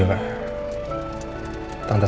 sudah saya dari